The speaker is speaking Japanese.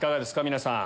皆さん。